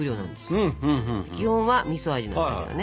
基本はみそ味なんだけどね